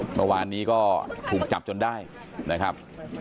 ประวัตินี้ก็ถูกจับจนได้นะครับ